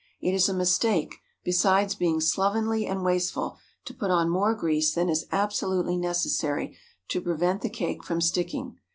It is a mistake, besides being slovenly and wasteful, to put on more grease than is absolutely necessary to prevent the cake from sticking.